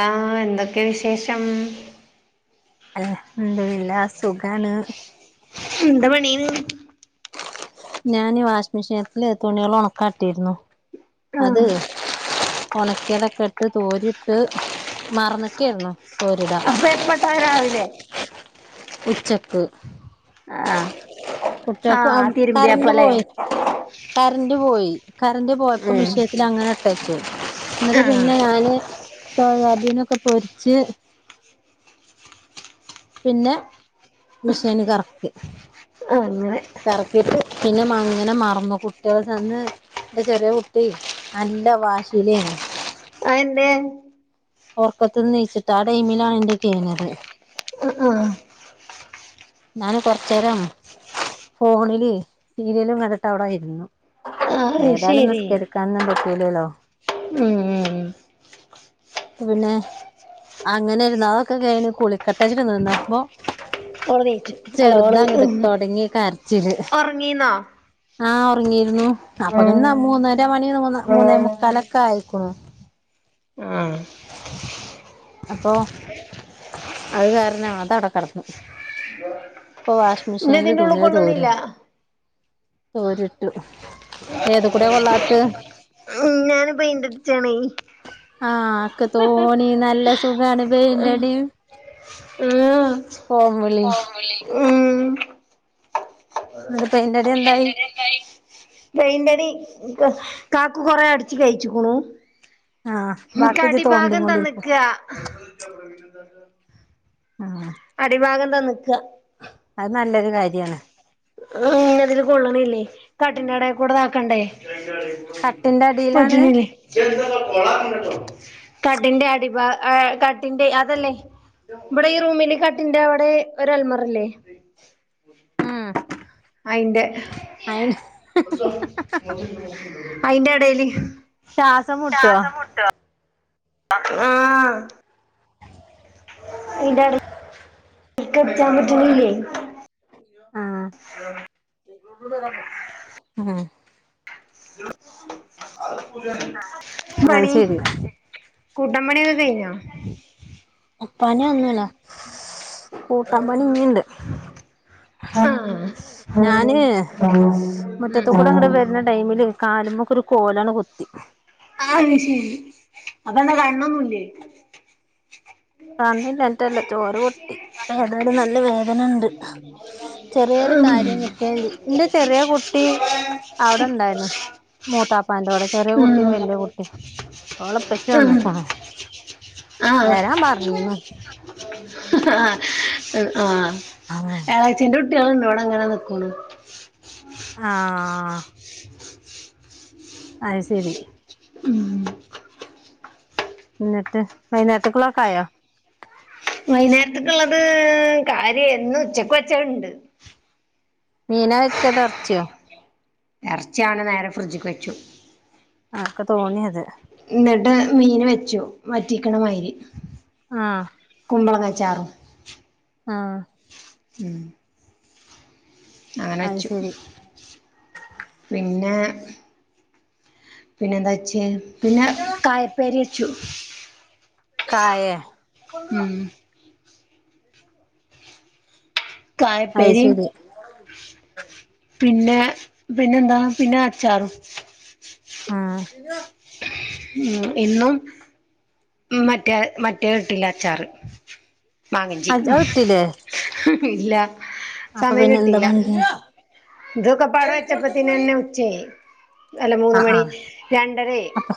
ആഹ് എന്തൊക്കെ വിശേഷം അഹ് എന്തുമില്ലാ സുഖണ്. ഉം എന്താ പണി ഞാൻ ഈ വാഷിങ് മെഷീനത്തില് തുണികള് ഉണക്കാട്ടിരുന്നു അത് ആഹ് ഒണക്കിയതൊക്കെ ഇട്ട് തോരി ട്ട് മറന്നക്കായിര്ന്നു തൊരടാൻ. അപ്പൊ എപ്പട്ടാ രാവിലെ ഉച്ചക്ക് അ ആഹ് കുട്ടികൾക്ക് ആഹ് കറന്റ് തിരുമ്പിയപ്പല്ലെ പോയി കറന്റ് പോയി കറണ്ട് പോയപ്പോ മഷയത്തി അങ്ങനെ എന്നിട്ട് ആഹ് പിന്നെ ഞാന് സോയാബീനൊക്കെ പൊരിച്ച് പിന്നെ മെഷീന് കറക്കി ആഹ് അങ്ങനെ കറക്കിട്ട് പിന്നെ അങ്ങനെ മറന്നു കുട്ടികൾ ചെന്ന് ന്റെ ചെറിയ കുട്ടി നല്ല വാശീലെയ്നി അതെന്തെ ഓറക്കത്ത് നിന്ന് നീച്ചിട്ട് ആഹ് ടൈമിലാണ് ഇന്റത് കഴിഞ്ഞത്. അ ആഹ് ഞാന് കൊറച്ചെരം ഫോണില് സീരിയലും കണ്ടിട് അവിടെയിരുന്നു ആഹ് ഏതായാലും നിസ്കരിക്കാഞ്ഞ പറ്റുലല്ലോ ഉം ഉം പിന്നെ അങ്ങനെ ഇരുന്ന് അതൊക്കെ കഴിഞ്ഞ് കുളിക്കട്ടെ ച്ചിട്ട് നിന്നപ്പൊ ഓള് നീച്ചു അല്ല ഓള് ചെറുതാ അങ്ങട് തൊടങ്ങി കരച്ചില് ഒറങ്ങീന്നോ ആഹ് ഒറങ്ങിയിരുന്നു അപ്പൊ തന്നെ മൂന്നര മണി മൂന്നേ മുക്കാലൊക്കെ ആയിക്ക്ണു ആഹ് െ അപ്പൊ അത് കാരണം അതവിടെ കടക്കു ഇപ്പൊ വഷി ഇന്നെ മെഷീനില് ഇതിന്റെ ഉള്ള് തുണിയത് തോരാ കൊള്ളണില്ല തോരിട്ടു ഏത് കൂടിയ കൊള്ളാ ഉം ഞൻ പയിന്റെട്ച്ചണെ ആഹ് ഒക്കെ തോണി നല്ല സുഖാണ് പെയിന്റെടീം [unintelligible] ഫോം വിളിം ഉം ന്നട്ട് പെയിന്റടി എന്തായി പെയിന്റടി കാക്കു കൊറെ അടിച്ച് കഴിച്ചിക്ക്ണു ആഹ് ക്ക് ബാക്കി ഇജ്ജ് തോണ്ടി അടിഭാഗം കൊണ്ടിരിക്ക് തന്ന്ക്ക ആഹ് അടിഭാഗം തന്ന്ക്ക അത് നല്ലൊരു കാര്യാണ് അതില് കൊള്ളണില്ലേ കട്ടിന്റെട െ കൂടതാക്കണ്ടേ കട്ടിന്റെ അടിയിലാണ് [unintelligible] കടിന്റെ അടിഭാ കടിന്റെ അതല്ലേ ഇവിടെ ഈ റൂമില് കട്ടിന്റെവിടെ ഒരൽമറല്ലേ ഉം അയിന്റെ അയിന് അയിന്റെടേല് ശാസം മുട്ടും ആഹ് [unintelligible] ആഹ് ഉം അത് പണി ശരി കൂട്ടാമ്പണിയൊക്കെ കഴിഞ്ഞോ ഉപ്പാന്ന്ന്നല്ല കൂട്ടാമ്പണിന്നീണ്ട് ആഹ് ഞാന് ആഹ് മുറ്റത്ത് കൂടെ അങ്ങട് വരുന്ന ആഹ് ടൈമില് കാലുമേക്കോരു കോലാണ് കുത്തി അയ്ശരി അതണ്ടാ കണ്ണൊന്നുല്ലേ കണ്ണില്ലാട്ടല്ല ചോറ് [unintelligible] ഏതാലും നല്ല വേദനണ്ട് ചെറിയൊരു ഉം കാര്യം കിട്ടിയത് ന്റെ ചെറിയ കുട്ടി അവിടൊണ്ടായിനു മൂത്താപ്പാന്റെവിടെ കേറിയ കുട്ടി ഉം വല്യയ കുട്ട്യ ഓളപ്പച്ച് വന്നേക്കുണു ആഹ് [unintelligible] ആഹ് ആഹ് എളേച്ഛന്റെ കുട്ട്യളാണ്ടിവ്ടങ്ങനെ നിക്കണ് ആഹ് അത് ശരി ഉം എന്നിട്ട് വൈയാന്നേരത്തേക്കൊള്ളേക്കായോ വൈയ്ന്നേരത്തേക്ക്ള്ളത് കാര്യന്ന്ച്ചക്ക് വെച്ചണ്ട് മീനാ വെച്ചതെറച്ചിയോ എറച്ചിയാണ് നേരെ ഫ്രിഡ്ജിക്ക് വെച്ചു ആക്ക് തോന്നിയത് ന്നിട്ട് മീന് വെച്ചു വറ്റിക്കണമായിരി ആഹ് കുമ്പളങ്ങാച്ചാറ് ആഹ് ഉം അത് അങ്ങനച്ചു ശരി പിന്നെ പിന്നെന്താച്ചെ പിന്ന കായപ്പരിച്ചു കായെ ഉം ഉ കായപ്പേരീം പിന്നെ പിന്നെന്താ പിന്ന അച്ചാറും ആഹ് ഉം ഇന്നും മറ്റേ മറ്റേട്ടില്ലച്ചാറ് മാങ്ങഞ്ചി അജ് അത് ഹ്ഹ് ഇല്ല അപ്പന്നെന്താ [unintelligible] ഇതൊക്കെപാട വെച്ചപ്പത്തേന ന്നെ ഉച്ചായി അല്ല മൂന്ന് ആഹ് മണി ആഹ് രണ്ടരക്കേയി അപ്പൊ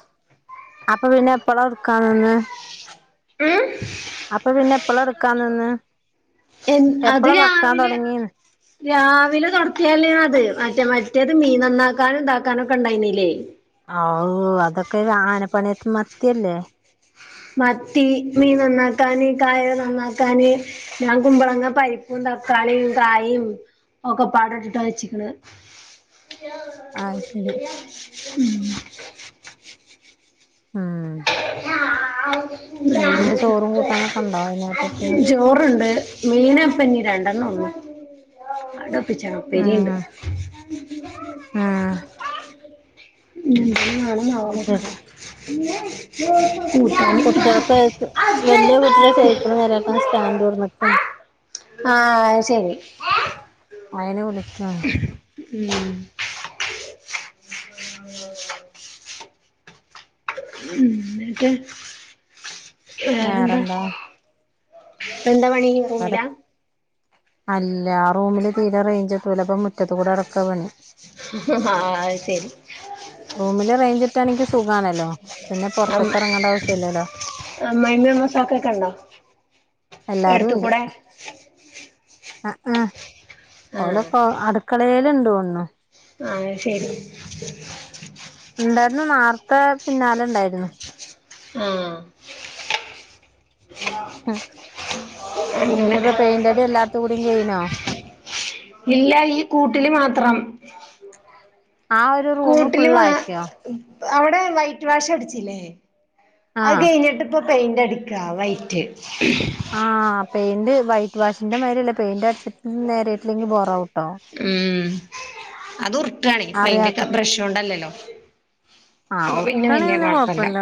അപ്പൊ പിന്നെ എപ്പളാ ഇടക്കാൻ നിന്ന് ഉം അപ്പൊ പിന്നെ എപ്പള എടുക്കാ നിന്ന് എ അത് എപ്പളാ വെക്കാൻ രാവിലെ തുടങ്ങീന്ന് രാവിലെ തുടത്തിയാലേ അത് മറ്റേ മറ്റേത് മീൻ നന്നാക്കാനും ഇതാക്കാനും ഒക്കെ ഉണ്ടായിന്നില്ലേ ആവു അതൊക്കെ ആനപ്പണിയത്ത് മത്തിയല്ലേ മത്തി മീൻ നന്നാക്കാന് കായ നന്നാക്കാന് ഞാൻ കുമ്പളങ്ങ പരിപ്പും തക്കാളിയും കായും ഒക്കെ പാടെ ഇട്ടിട്ടാ വച്ചക്കണ് ആഹ് ശരി ഉം ഉം എന്നിട്ട് ചോറും കൂട്ടാനൊക്കെ ഉണ്ടോ വൈന്നേരത്തേക്ക് ചോറുണ്ട് മീനപ്പന്നീ രണ്ടെണ്ണം ഒള്ളു അങ്ങട്ട് ഒപ്പിച്ചണം ഉപ്പേരിയുണ്ട് ആഹ് ന്തായാലും നാളെ അത് ശരി വെക്കണം കൂട്ടാൻ കുട്ടികൾക്കെ വലിയ കുട്ടിയുടെ സൈക്കിൾ നേരക്കണ സ്റ്റാൻഡ് കൊട്ന്ന്ക്കണ് ആഹ ശരി അയന് വിളിക്ക ഉം ഉം ന്നിട്ട് വേറെന്താ ഇപ്പൊ ന്താ പണി ടെ റൂമിലാ അല്ല ആ റൂമില് തീരെ റേഞ്ച് കിട്ടൂല. അപ്പൊ മുറ്റ ആഹ ശരി റൂമിൽ റേഞ്ച്കിട്ടാണെങ്കി സുഖമാണല്ലോ പിന്നെ പുറത്തക്ക് ഇറങ്ങേണ്ട ആവശ്യംല്ലല്ലോ അമ്മായമ്മേം അമ്മോസാക്ക ഒക്കെ ഉണ്ടോ എല്ലാരും എടുത്തു ഉണ്ട് കൂടെ ആ ആഹ ആഹ് ഓലൊക്കെ അടുക്കളയില് ഇണ്ട് തോന്ന്ണു ആഹ ശരി ഉണ്ടായിരുന്നു നേർത്തെ പിന്നാലെ ഉണ്ടായിരുന്നു ആഹ് അങ്ങനെ ഇന്നിപ്പോ പെയിന്റടി എല്ലാട്ത്തും കൂടിം കെയ്ഞ്ഞോ ഇല്ല ഈ കൂട്ടില് മാത്രം ആഹ് ഒരു റൂമ് കൂട്ടില ഫുള്ളാക്കിയോ അവിടെ വൈറ്റ് വാഷ് അടിച്ചില്ലേ അത് ആഹ് കഴിഞ്ഞിട്ട് ഇപ്പോൾ പെയിന്റ് അടിക്കാ വൈറ്റ് ആഹ് പെയ്ന്റ് വൈറ്റ് വാഷിന്റെ മാതിരില്ല പെയിന്റ് അടച്ചിട്ട് നേരയിട്ടില്ലെങ്കിൽ ബോറാവും ഉം അത് ഉറട്ടണ പെയ്ന്റെ അറിയാത്ത ബ്രഷ് കൊണ്ടല്ലല്ലോ ആഹ് അപ്പൊ പിന്നെ ഉർട്ടാണെ വല്ല്യ കുഴപ്പല്ല കൊഴപ്പല്ല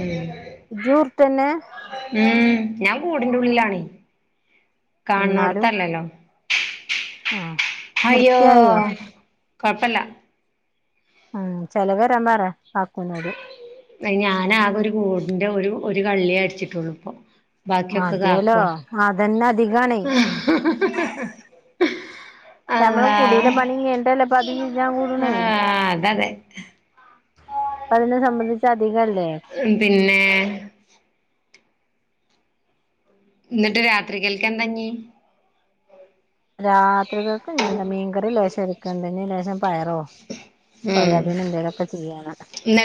ഉം ഇജ്ജ് ഉർട്ടന്നെ ഉം ഞാൻ കൂടിന്റെ ഉള്ളിലാണേ കാണണോടത്തല്ലല്ലോ ആഹ അയ്യോ കുഴപ്പല്ല ഉം ചെലവ് തെരാൻ പറ കാക്കുനോട് ഞാൻ ആകെ ഒരു കൂടിന്റെ ഒരു ഒരു കള്ളിയേ അടിച്ചിട്ടുള്ളൂ ഇപ്പൊ ബാക്കിയൊക്കെ മതിയല്ലോ കാക്കുവ അതന്നെ അധികാണേ ആ നമ്മള് കുടീലെ പണി കഴിഞ്ഞിട്ടല്ലേ ഇപ്പ അത് ചെയ്യാൻ കൂടണ് ആഹ അത അതെ അപ്പ അതിനെ സംബന്ധിച്ച് അധികംല്ലേ പിന്നെ എന്നിട്ട് രാത്രികൽക്ക് എന്താ ഇനി രാത്രികൾക്ക് ഇനി എന്താ മീൻകറി ലേശം ഇരിക്ക്ണ്ട്. ഇനി ലേശം പയറോ സോയാബീൻ എന്തെങ്കിലൊക്കെ ചെയ്യാണ്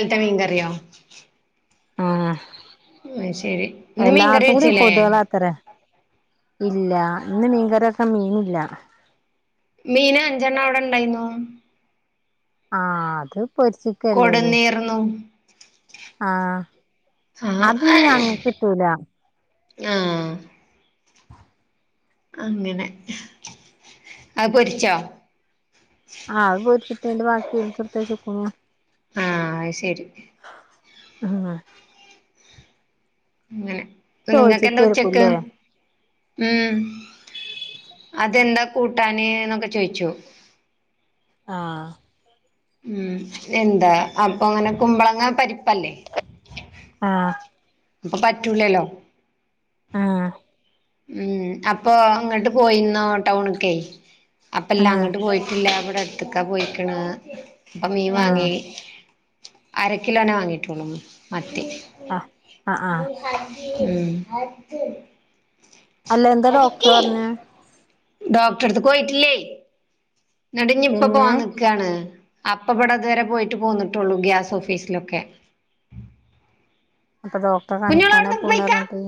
ട്ട മീൻ കറിയോ ആഹ് ന്ന ശരി ഇന്ന് മീൻകറി എല്ലായിട്ത്തുകൂടിം വെച്ചില്ലേ കൊതുകളാത്തരെ ഇല്ല ഇന്ന് മീൻകറൊക്കാൻ മീനുല്ല മീന അഞ്ചെണ്ണം അവിടെ ണ്ടായ്നു ആ അത് പൊര്ച്ച് കൊട്ന്നീർന്നു ആഹ ആഹ് അത് ഞങ്ങകിട്ടൂല ആഹ അങ്ങനെ അത് പൊര്ച്ചാ ആ അത് പോരിച്ചിട്ടേന്റെ ബാക്കി ന്ക്ക്ട്തച്ചുക്കുണു ആഹ അഹ് ശരി ആഹ ങ്ങനെ ങ്ങക്കെന്താ ഉച്ചക്ക് ചോയിച്ചിക്കായിരിക്കൂല്ലേ ഉം അതെന്താ കൂട്ടാന് ന്നൊക്കെ ചോയ്ച്ചു ആ ഉം എന്താ അപ്പൊ അങ്ങനെ കുമ്പളങ്ങ പരിപ്പല്ലേ ആഹ അപ്പൊ പറ്റൂലല്ലോ ആഹ ഉം അപ്പൊ അങ്ങോട്ട് പോയിന്നോ ടൗണ്ക്കെ അപ്പ എല്ലാ ആഹ് അങ്ങട്ട് പോയില്ല ഇല്ല വിടെ അട്ത്ത്ക്കാ പോയിക്ക്ണ് അപ്പോ മീൻ ആഹ് വാങ്ങി അരക്കിലോന വാങ്ങിട്ടോളൂ മത്തി ആഹ ഉം അടിക്ക് അല്ല എന്താ ഡോക്ടർ അടിക്ക് പറഞ്ഞെ ഡോക്ടറെട്ത്ത്കൊയിട്ടില്ലേ ന്നട്ടിഞ്ഞിപ്പോ പിന്നെ പോവാൻ നിക്കാണ് അപ്പബടെ അതുവരെ പോയിട്ട് പോന്നിട്ടുള്ളൂ ഗ്യാസ് ഓഫീസിലൊക്കെ ഞ്ഞിപ്പൊ ഡോക്ടറെ കുഞ്ഞോളെ കാണിക്കാന അവിടുന്ന് പോണർഞ്ഞിട്ട്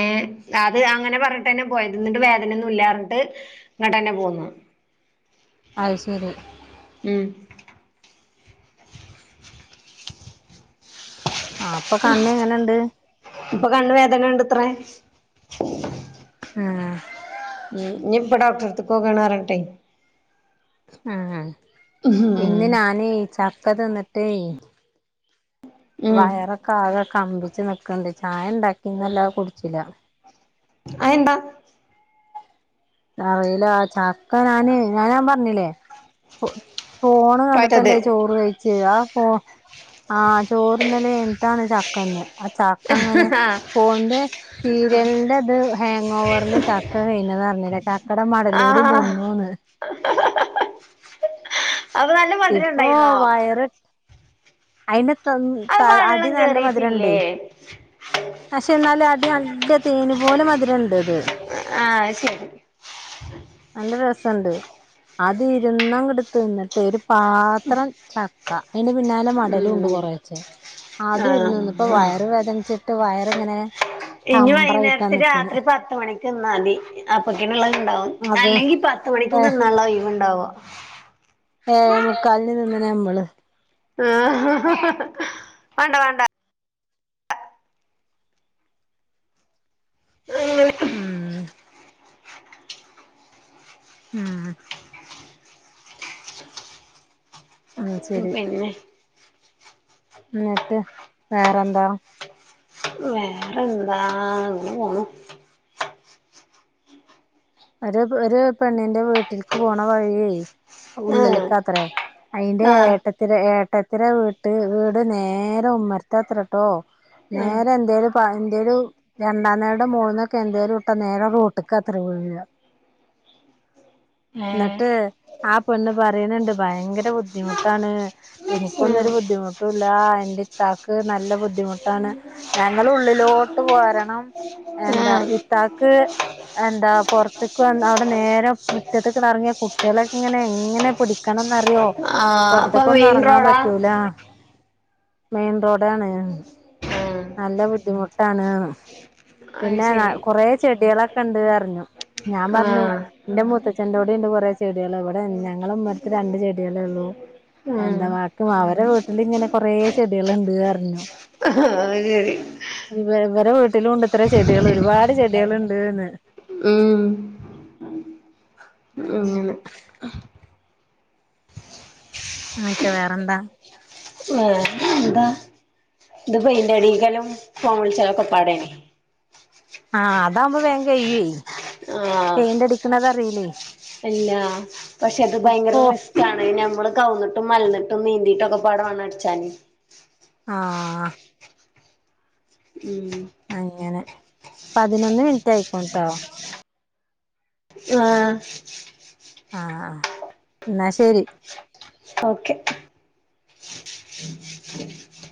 ഏ അത് അങ്ങനെ പറഞ്ഞിട്ടന്നെ പോയത് നട്ട് വേദനയൊന്നും ഇല്ലാർഞ്ഞിട്ട് ങ്ങട്ടന്നെ പോന്നു അഹ് ശരി ഉം ആ പ്പൊ കണ്ണ് ങ്ങനെണ്ട് പ്പൊ കണ്ണ് വേദനയണ്ടത്ര ഉം ഉം ഇഞ്ഞി പ്പോ ഡോക്ടറട്ത്ത്ക്ക് പോകാണർഞെയ് ആ ഇന്ന് ഉം ഞാനയ് ചക്ക തിന്നിട്ടേയ് ഉം വയറൊക്കെ ആകെ കമ്പിച്ച് നിക്ക്ണ്ട് ചായ ണ്ടാക്കിന്നല്ലാതെ കുട്ച്ചില്ല അഹന്താ അറിയില ചാക്ക ഞാന് ഞ്ഞാപറ്ഞ്ഞില്ലേ ഫോണ് പറ്റത് കണ്ടിട്ടല്ലേ ചോറ് വെഴിച്ച ആ ഫോ ആഹ ചോറ്ന്നലയ്ഞ്ട്ടാണ് ചക്കന്ന് ആ ചക്കങ്ങനെ ആഹ് ഫോണിന്റെ സീരിയലിന്റെ ത് ഹാങ് ഓവറ്ല് ചക്ക കഴിഞ്ഞതറ്ഞ്ഞില്ല ചാക്കടെ മടലൂടിം തിന്നുന്ന് അത് നല്ല ഇപ്പൊ മധുരണ്ടയ്നോ അയിന്റെ തോണ്ട് അത് താ അടി വെള്ളം നല്ല മധുരണ്ടെയ് കേറിയിട്ടില്ലേ പക്ഷെ ന്നാലും അടി നല്ല തേന് പോലെ മധുരണ്ടത് ആഹ് ആഹ്ശരി നല്ല രസണ്ട് അത് ഇരുന്നങ്ങട്ട് തിന്നിട്ടേയ് ഒരു പാത്രം ചക്ക അതിന്റെ പിന്നാലെ മടല് മടലുണ്ട് ഉം കൊറേച്ചേ അതും ഇരുന്നുന്ന് ഇപ്പ ആഹ് വയർ വേദനിച്ചിട്ട് വയർങ്ങനെ ഇനി വൈകുന്നേരത്ത് രാത്രി പത്തണിക്ക് തിന്നാതി അപ്പൊക്കിനുള്ളത് ഉണ്ടാവും അത് അല്ലെങ്കി പത്ത് ഏ മണിക്കും തിന്നാള്ള ഒയിവുണ്ടാവോ ഏഴേ മുക്കാലിന് നിന്ന്ണ നമ്മള് ആ വേണ്ട വേണ്ട അങ്ങനെ ഉം ഉം ഉം പിന്നെ ന്നട്ട് വേറെന്താ വേറെന്താ അങ്ങനെ പോണു ഒരു ഒരു പെണ്ണിന്റെ വീട്ടിൽക്ക് പോണ വഴിയെ ആ ഉള്ളിൽക്ക അത്രേ അതിന്റെ ആ ഏട്ട ഏട്ടത്തിരെ വീട്ട് വീട് നേരെ ഉമ്മരത്താത്രട്ടോ ആ നേരെ എന്തേലും പ [unintelligible] രണ്ടാം നേടെ മോൾന്നൊക്കെ എന്തേലും ഇട്ട നേരെ റോട്ട്ക്ക് അത്ര വീഴ് ഏ ന്നട്ട് ആ പെണ്ണ് പറയുന്നുണ്ട് ഭയങ്കര ബുദ്ധിമുട്ടാണ് എനിക്കൊന്നും ഉം ഒരു ബുദ്ധിമുട്ടുംല്ല എന്റെ ഇത്താക്ക് നല്ല ബുദ്ധിമുട്ടാണ് ഞങ്ങള് ഉള്ളിലോട്ട് പോരണം ആ എന്താ ഇത്താക്ക് എന്താ പൊറ ത്ത് വന്നാ അവിടെ നേരെ മുറ്റത്ത്ക്ക എറങ്ങിയാ കുട്ടികളൊക്കെ ഇങ്ങനെ എങ്ങനെ പിടിക്കണംന്ന് അറിയോ ആ അപ്പൊ പൊറത്ത്ക്കൊന്നും മെയിൻ എറങ്ങാൻ റോഡാ പറ്റൂല മെയിൻ റോഡാണ് ആ നല്ല ബുദ്ധിമുട്ടാണ് അത് പിന്നെ ശരി കൊറേ ചെട്ടികളൊക്കെ ഉണ്ട് പറഞ്ഞു ഞാൻ ആ പറഞ്ഞു എന്റെ മുത്തച്ഛന്റോടെ ഉണ്ട് കുറെ ചെടികൾ ഇവിടെ ഞങ്ങള ഉമ്മരത്ത് രണ്ട് ചെടികളെ ഉള്ളൂ ഉം എന്താ വക്കും അവരെ വീട്ടിലിങ്ങനെ കൊറെ ചെടികൾ ഉണ്ട് അറിഞ്ഞു അയ് ശരി ഇവ ഇവരെ വീട്ടിലുണ്ട് ഇത്ര ചെടികൾ ഒരുപാട് ചെടികൾണ്ട് ന്ന് ഉം അങ്ങനെ ഇങ്ങട്ട് വേറെന്താ വേറെ എന്താ ഇന്റെ പെയിന്റ അടി കലും വൗൾ ച്ചാക്കൊക്കെ ആടാണ് ആഹ് അതാവുമ്പോ വേ കഴിയേ ആഹ് പിന്നെ പക്ഷെ ഇത് ഭയങ്കര ഒപ്പോ റിസ് കാണ് നമ്മള് കൗന്നിട്ടും മലന്നിട്ടും നീന്തിട്ടൊക്കെ പാടവണ്ണം അടിച്ചാന് ആ ഉം അങ്ങനെ പതിനൊന്ന് മിനിറ്റ് ആയി ക്ക്ണട്ടോ ആഹ് ആ ആ എന്നാ ശരി ഓക്കെ ച് ച്